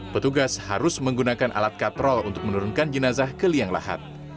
petugas harus menggunakan alat katrol untuk menurunkan jenazah ke liang lahat